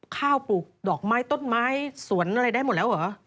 ปลูกดอกไม้ต้นไม้สวนอะไรได้หมดแล้วเหรอ